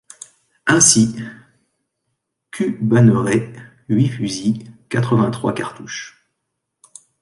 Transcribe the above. Ainsi :— Q. Banneret. huit fusils. quatre-vingt-trois cartouches.